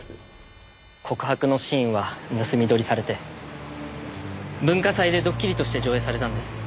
告白のシーンは盗み撮りされて文化祭でドッキリとして上映されたんです。